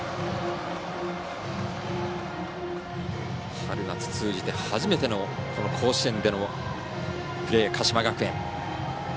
春夏通じて初めての甲子園でのプレー、鹿島学園。